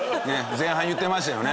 前半言ってましたよね。